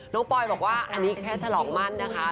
ปอยบอกว่าอันนี้แค่ฉลองมั่นนะคะ